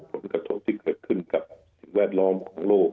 พร้อมกับทราบที่เคยขึ้นกับแวดล้อมทั้งโลก